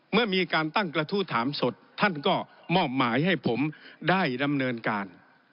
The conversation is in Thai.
เมื่อมีการตั้งกระทู้ถามสดท่านก็มอบหมายให้ผมได้ดำเนินการ